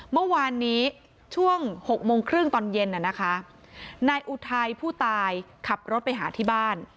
เมื่อวานนี้ช่วงหกโมงครึ่งตอนเย็นน่ะนะคะนายอุทัยผู้ตายขับรถไปหาที่บ้าน